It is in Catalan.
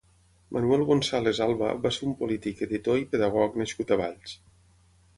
Manuel González Alba va ser un polític, editor i pedagog nascut a Valls.